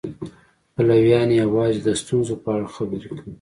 پلویان یې یوازې د ستونزو په اړه خبرې کوي.